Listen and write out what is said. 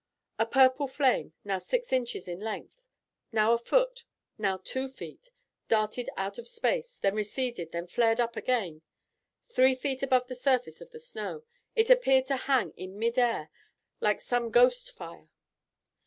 A purple flame, now six inches in length, now a foot, now two feet, darted out of space, then receded, then flared up again. Three feet above the surface of the snow, it appeared to hang in midair like some ghost fire.